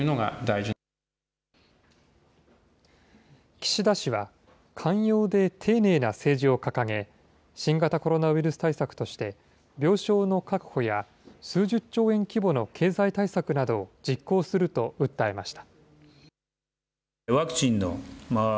岸田氏は、寛容で丁寧な政治を掲げ、新型コロナウイルス対策として、病床の確保や数十兆円規模の経済対策などを実行すると訴えました。